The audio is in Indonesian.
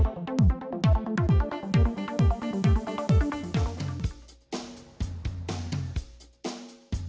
terima kasih pak